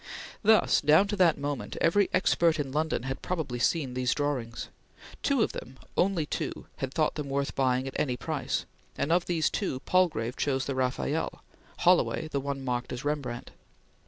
Thus, down to that moment, every expert in London had probably seen these drawings. Two of them only two had thought them worth buying at any price, and of these two, Palgrave chose the Rafael, Holloway the one marked as Rembrandt.